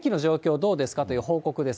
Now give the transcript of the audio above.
どうですかという報告です。